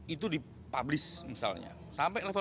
itu dipublis misalnya